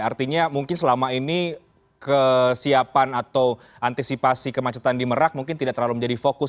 artinya mungkin selama ini kesiapan atau antisipasi kemacetan di merak mungkin tidak terlalu menjadi fokus